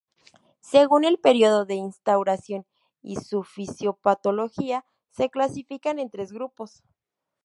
Según el periodo de instauración y su fisiopatología se clasifican en tres grupos.